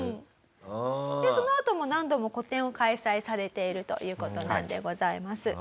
でそのあとも何度も個展を開催されているという事なんでございます。